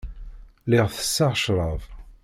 Lliɣ tesseɣ ccrab.